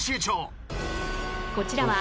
［こちらは］